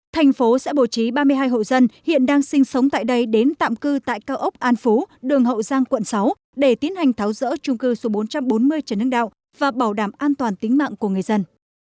thành phố sẽ bổ trí ba mươi hai hộ dân hiện đang sinh sống tại đây đến tạm cư tại cao ốc an phú đường hậu giang quận sáu để tiến hành tháo rỡ trung cư số bốn trăm bốn mươi trần hưng đạo và bảo đảm an toàn tính mạng của người dân